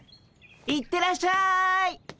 行ってらっしゃい。